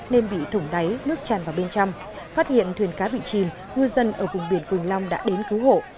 nên bị thủng đáy nước tràn vào bên trong phát hiện thuyền cá bị chìm ngư dân ở vùng biển quỳnh long đã đến cứu hộ